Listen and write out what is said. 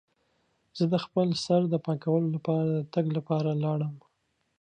زه د خپل سر د پاکولو لپاره د تګ لپاره لاړم.